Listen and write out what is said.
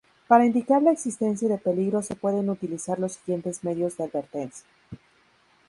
Para indicar la existencia de peligro se pueden utilizar los siguientes medios de advertencia.